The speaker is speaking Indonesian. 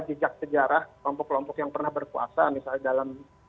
jejak sejarah kelompok kelompok yang pernah berkuasa misalnya dalam